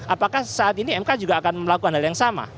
apakah saat ini mk juga akan melakukan hal yang sama